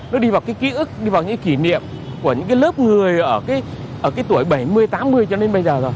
nó đi vào cái ký ức đi vào những kỷ niệm của những cái lớp người ở cái tuổi bảy mươi tám mươi cho đến bây giờ rồi